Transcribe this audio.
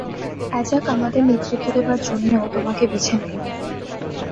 অ্যাজাক আমাদের নেতৃত্ব দেবার জন্যও তোমাকে বেছে নেয়নি।